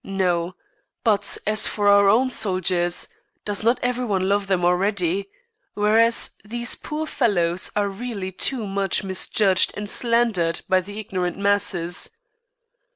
No. But as for our own soldiers, does not everyone love them already? Whereas these poor fellows are really too much misjudged and slandered by the ignorant masses.